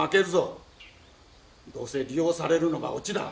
どうせ利用されるのが落ちだ。